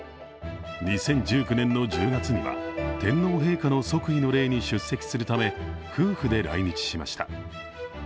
２０１９年１０月には天皇陛下の即位の礼に出席するため夫婦で来日しました。